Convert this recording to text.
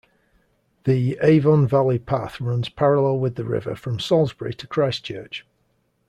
The Avon Valley Path runs parallel with the river from Salisbury to Christchurch.